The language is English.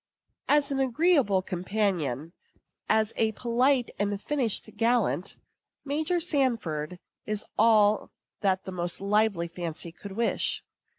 As an agreeable companion, as a polite and finished gallant, Major Sanford is all that the most lively fancy could wish.